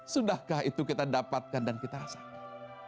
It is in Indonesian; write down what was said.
sudahkah itu kita dapatkan dan kita rasakan